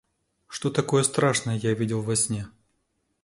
Что такое страшное я видел во сне?